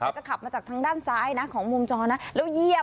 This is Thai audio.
จะขับมาจากทางด้านซ้ายนะของมุมจอนะแล้วเยียบ